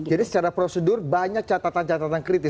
jadi secara prosedur banyak catatan catatan kritis